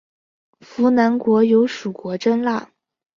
扶南国有属国真腊。